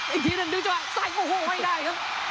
อีกทีนึงมันจะแบบใส่โอ้โฮไว้ได้ครับ